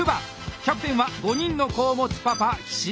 キャプテンは５人の子を持つパパ岸田崇。